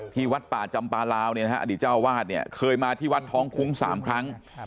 วัดป่าจำปลาลาวเนี่ยนะฮะอดีตเจ้าวาดเนี่ยเคยมาที่วัดท้องคุ้ง๓ครั้ง